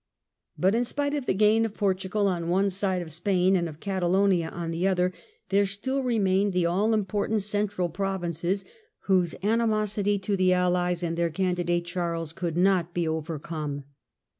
But, in spite of the gain of Portugal on one side of Spain and of Catalonia on the other, there still remained the all important central provinces, whose animosity to the Allies and their candidate, Charles, could not be overcome.